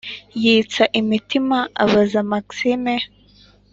yitsa imitima abaza maxime